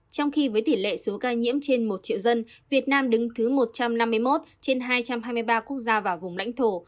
trong khi với tỷ lệ số ca nhiễm trên một triệu dân việt nam đứng thứ một trăm năm mươi một trên hai trăm hai mươi ba quốc gia và vùng lãnh thổ